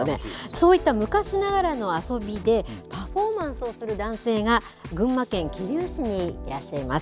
そういった昔ながらの遊びでパフォーマンスをする男性が群馬県桐生市にいらっしゃいます。